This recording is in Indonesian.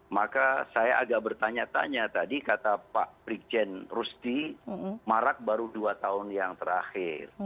maka saya agak bertanya tanya tadi kata pak brigjen rusti marak baru dua tahun yang terakhir